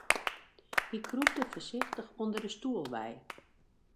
Hy krûpte foarsichtich ûnder de stoel wei.